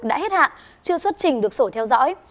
đã hết hạn chưa xuất trình được sổ theo dõi